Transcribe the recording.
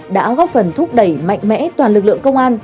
đã góp phần thúc đẩy mạnh mẽ toàn lực lượng công an